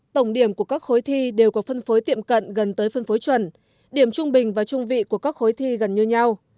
tổng điểm của các khối thi đều có phân phối tiệm cận gần tới phân phối chuẩn điểm trung bình và trung vị của các khối thi gần như nhau